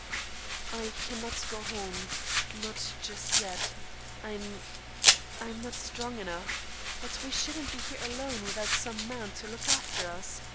"I cannot go home not just yet. I'm I'm not strong enough. But we shouldn't be here alone without some man to look after us.